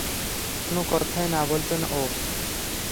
কোনো কথায় না বলত না ও।